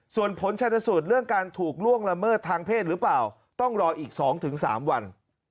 ส่วนผลชนสูตรเรื่องการถูกล่วงละเมิดทางเพศหรือเปล่าต้องรออีก๒๓วัน